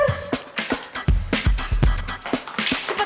tapi permisi suster